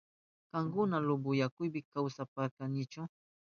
Kankuna Loboyakupi kawsapayarkankichi.